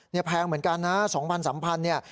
เนี่ยแพงเหมือนกันนะ๒๐๐๐๓๐๐๐บาทเนี่ย